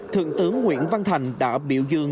thượng tướng nguyễn văn thành đã biểu dương